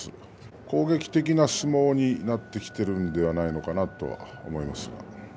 攻撃的な相撲になってきているんではないかなと思いますね。